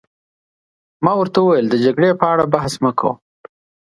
ما ورته وویل: د جګړې په اړه بحث مه کوه.